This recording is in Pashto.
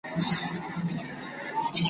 نوې ورځ نوی هیواد سي نوي نوي پلټنونه `